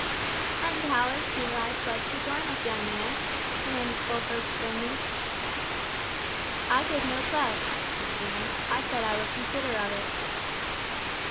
"And how as to thy pledge to join us, young man?" demanded Fulford sternly. "I gave no pledge," said Stephen. "I said I would consider of it."